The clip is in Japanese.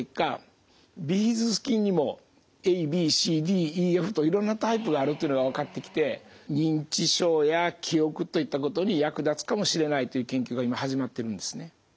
ビフィズス菌にもＡＢＣＤＥＦといろんなタイプがあるというのが分かってきて認知症や記憶といったことに役立つかもしれないという研究が今始まっているんですね。